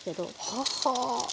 ははあ。